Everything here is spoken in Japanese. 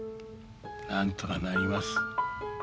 なんとかなります。